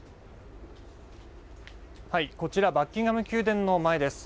こちらはバッキンガム宮殿の前です。